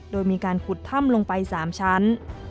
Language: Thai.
โดยมีการขุดถ้ำลงไป๓ชั้น